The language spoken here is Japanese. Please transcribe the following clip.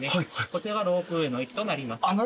こちらがロープウェイの駅となります。